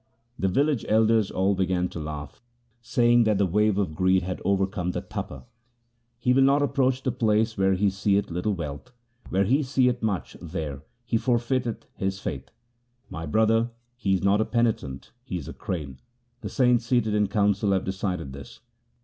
The village elders all began to laugh, saying that the wave of greed had overcome the Tapa. He will not approach the place where he seeth little wealth; where he seeth much there he forfeiteth his faith. My brother, he is not a penitent ; he is a crane ; the saints seated in council have decided this.